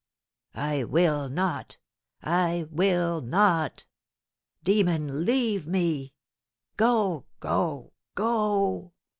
I will not I will not! Demon, leave me! Go go go!